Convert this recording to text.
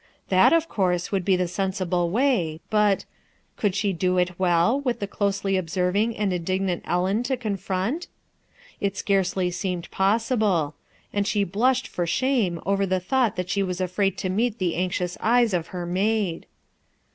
That, of course, would be the sensible way; but ,— could she do it well, with the closely 160 RUTH ERSKINE'S SON observing and indignant Ellen to confr It scarcely seemed possible; and she blushed r shanio over the thought that she was afr 'i to meet the anxious eyes of her maid.